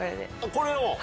これを。